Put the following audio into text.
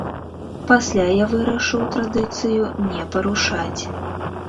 Пасля я вырашыў традыцыю не парушаць.